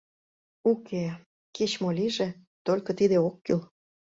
«Уке, кеч-мо лийже, только тиде ок кӱл.